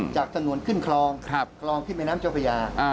จากถนนขึ้นคลองคลองขึ้นแม่น้ำเจ้าพระยา